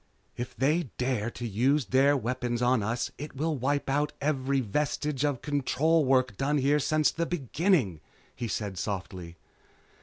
"If they dare to use their weapons on us it will wipe out every vestige of control work done here since the beginning," he said softly.